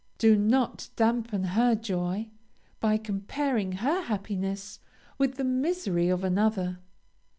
Do not dampen her joy, by comparing her happiness with the misery of another.